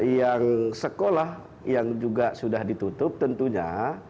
yang sekolah yang juga sudah ditutup tentunya